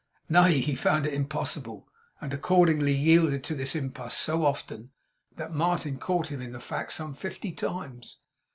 Nay, he found it impossible; and accordingly yielded to this impulse so often, that Martin caught him in the fact some fifty times.